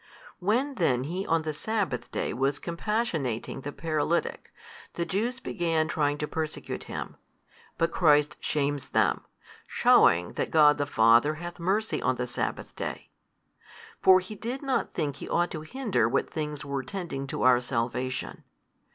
|254 When then He on the sabbath day was compassionating the paralytic, the Jews began trying to persecute Him: but Christ shames them, shewing that Grod the Father hath mercy on the sabbath day. For He did not think He ought to hinder what things were tending to our salvation.